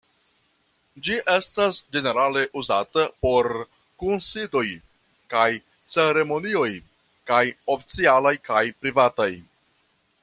Ĝi estas ĝenerale uzata por kunsidoj kaj ceremonioj, kaj oficialaj kaj privataj.